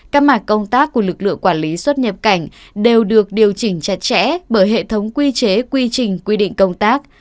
các mặt công tác của lực lượng quản lý xuất nhập cảnh đều được điều chỉnh chặt chẽ bởi hệ thống quy chế quy trình quy định công tác